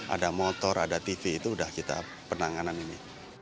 ada motor ada tv itu sudah kita penanganan ini